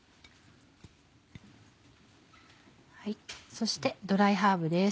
そしてドライハーブです。